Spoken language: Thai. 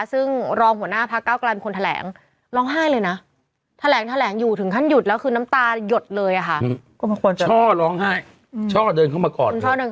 ซึ่งรองหัวหน้าพักเก้ากรรมคุณแถลง